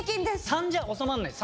３じゃ収まんないです。